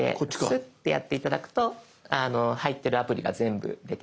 スッてやって頂くと入ってるアプリが全部出てきます。